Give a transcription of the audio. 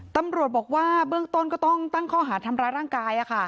ตำรวจบอกว่าเบื้องต้นก็ต้องตั้งข้อหาทำร้ายร่างกาย